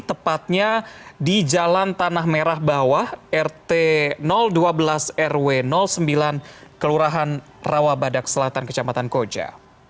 tepatnya di jalan tanah merah bawah rt dua belas rw sembilan kelurahan rawabadak selatan kecamatan koja